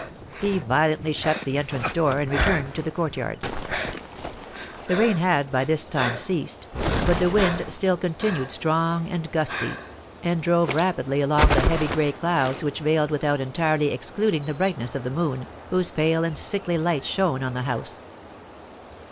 He violently shut the entrance door and returned to the courtyard. The rain had by this time ceased, but the wind still continued strong and gusty, and drove rapidly along the heavy gray clouds which veiled without entirely excluding the brightness of the moon, whose pale and sickly light shone on the house.